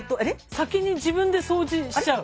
先に自分で掃除しちゃう。